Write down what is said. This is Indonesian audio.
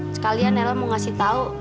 sekalian ella mau ngasih tau